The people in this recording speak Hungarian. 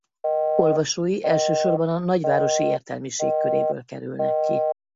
Olvasói elsősorban a nagyvárosi értelmiség köréből kerülnek ki.